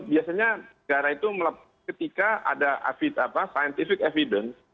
biasanya negara itu ketika ada scientific evidence